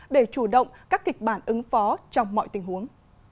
để chủ động các kịch bản ứng phó trong mọi tình huống